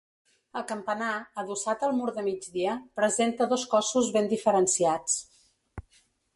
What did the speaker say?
El campanar, adossat al mur de migdia, presenta dos cossos ben diferenciats.